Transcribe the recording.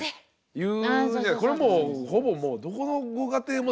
これもうほぼもうどこのご家庭もでしょ？